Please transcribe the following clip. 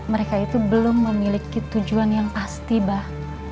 mereka itu belum memiliki tujuan yang pasti bah